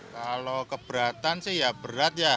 kalau keberatan sih ya berat ya